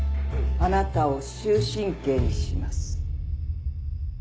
あなたを終身刑にします